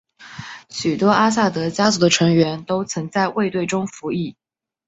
许多阿萨德家族的成员都曾在卫队中服役。